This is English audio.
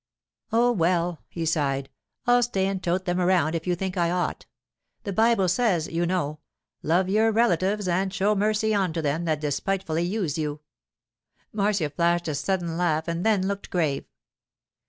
'Oh, well,' he sighed, 'I'll stay and tote them around if you think I ought. The Bible says, you know, "Love your relatives and show mercy unto them that despitefully use you."' Marcia flashed a sudden laugh and then looked grave.